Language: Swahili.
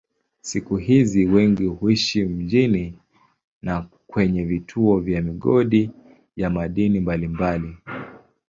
Siku hizi wengi huishi mjini na kwenye vituo vya migodi ya madini mbalimbali.